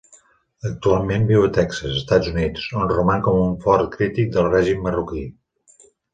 Actualment viu a Texas, Estats Units, on roman com un fort crític del règim marroquí.